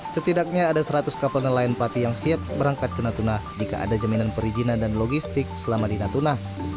setidaknya ada seratus kapal nelayan pati yang siap berangkat ke natuna jika ada jaminan perizinan dan logistik selama di natuna